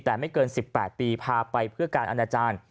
แต่ไม่เกิน๑๘ปีพาไปเพื่อการอนาจารย์